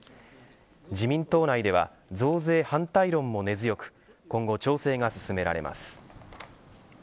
自民党内では増税反対論も根強く今後、調整が進められます。